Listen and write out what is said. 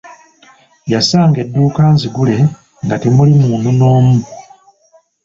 Yasanga edduuka nzigule nga temuli munu n'omu.